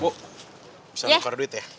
bu bisa buka duit ya